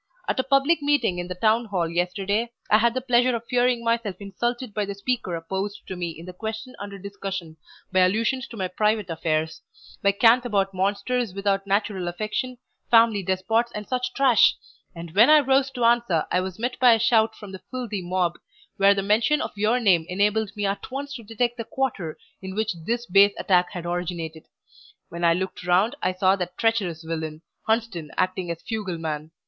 At a public meeting in the Town hall yesterday, I had the pleasure of hearing myself insulted by the speaker opposed to me in the question under discussion, by allusions to my private affairs; by cant about monsters without natural affection, family despots, and such trash; and when I rose to answer, I was met by a shout from the filthy mob, where the mention of your name enabled me at once to detect the quarter in which this base attack had originated. When I looked round, I saw that treacherous villain, Hunsden acting as fugleman.